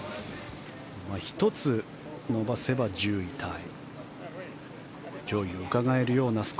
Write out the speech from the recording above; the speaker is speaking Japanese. １つ伸ばせば１０位タイ。